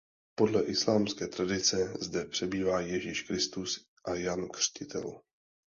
Podle islámské tradice zde přebývá Ježíš Kristus a Jan Křtitel.